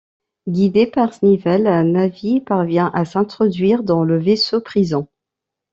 Guidée par Snivel, Nävis parvient à s'introduire dans le vaisseau-prison.